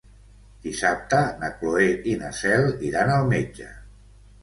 Dissabte na Cloè i na Cel iran al metge.